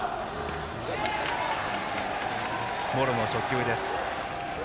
茂呂の初球です。